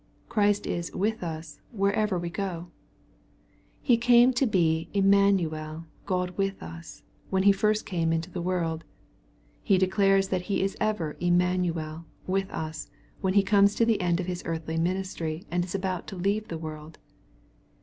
Christ is " with us," wherever we go. He came to be " Emmanuel, God with us," when He first came into the world. He declares that He is ever Emmanuel, "with us," when He comes to the end of His earthly ministry and is about to leave the world.